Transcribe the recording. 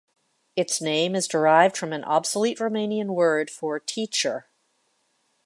Its name is derived from an obsolete Romanian word for "teacher".